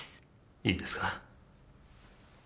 いいですか。